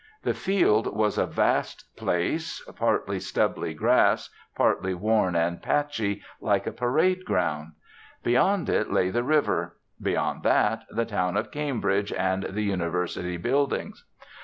The field was a vast place, partly stubbly grass, partly worn and patchy, like a parade ground. Beyond it lay the river; beyond that the town of Cambridge and the University buildings.